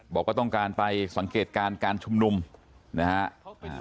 บอกว่าต้องการไปสังเกตการณ์การชุมนุมนะฮะ